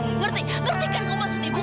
ngerti ngerti kan maksud ibu